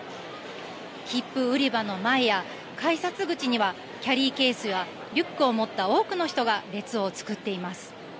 切符売り場の前や改札口にはキャリーケースやリュックを持った多くの人が列を作っています。